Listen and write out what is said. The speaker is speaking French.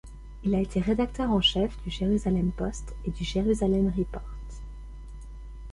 Il a été rédacteur en chef du Jerusalem Post et du Jerusalem Report.